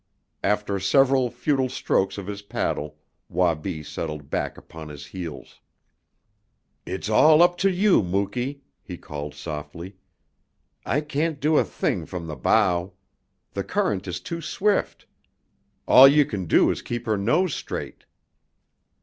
After several futile strokes of his paddle Wabi settled back upon his heels. "It's all up to you, Muky," he called softly. "I can't do a thing from the bow. The current is too swift. All you can do is to keep her nose straight."